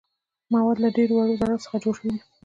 مواد له ډیرو وړو ذراتو څخه جوړ شوي دي.